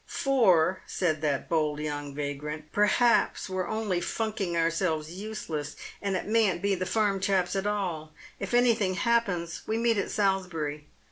"For," said that bold young vagrant, "perhaps we're only funking ourselves useless, and it mayn't be the farm chaps at all. If anything happens, we meet at Salisbury."